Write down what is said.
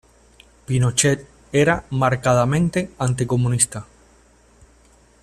Pinochet era marcadamente anticomunista.